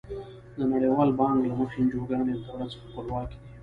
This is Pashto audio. د نړیوال بانک له مخې انجوګانې له دولت څخه خپلواکې دي.